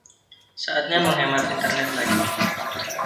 Saatnya menghemat internet - lagi.